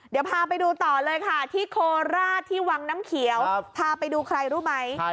เดี๋ยวพาไปดูต่อเลยค่ะที่โคราชที่วังน้ำเขียวพาไปดูใครรู้ไหม